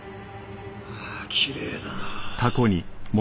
ああきれいだ。